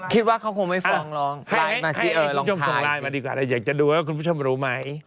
คิดว่าเขาคงไม่ฟ้องลองไลน์มาสิลองพลายสิให้จมนต์ส่งไลน์มาดีกว่าอยากจะดูว่าคุณผู้ชมรู้ไหม